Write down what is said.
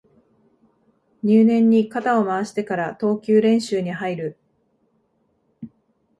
入念に肩を回してから投球練習に入る